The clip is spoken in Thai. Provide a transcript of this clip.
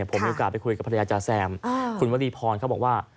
ผมมีโอกาสไปคุยกับภรรยาจาแซมคุณวรีพรเขาบอกว่า